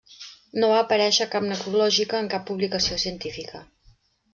No va aparèixer cap necrològica en cap publicació científica.